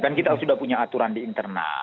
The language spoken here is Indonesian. kan kita sudah punya aturan di internal